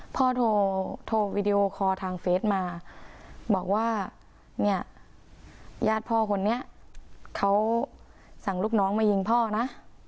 พ่อโทรวีดีโอคอร์ทางเฟสมาบอกว่าเนี่ยญาติพ่อคนนี้เขาสั่งลูกน้องมายิงพ่อนะ